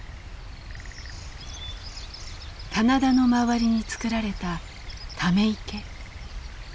棚田の周りに作られたため池。